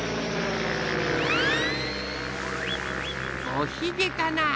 おひげかな？